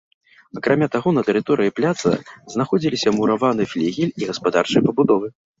Акрамя таго, на тэрыторыі пляца знаходзіліся мураваны флігель і гаспадарчыя пабудовы.